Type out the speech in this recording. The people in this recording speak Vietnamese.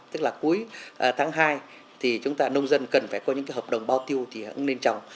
tức là cuối tháng hai thì chúng ta nông dân cần phải có những hợp đồng bao tiêu thì cũng nên trồng